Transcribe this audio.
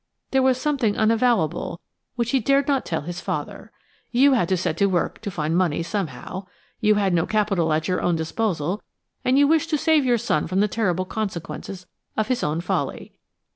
There was something unavowable, which he dared not tell his father. You had to set to work to find money somehow. You had no capital at your own disposal, and you wished to save your son from the terrible consequences of his own folly.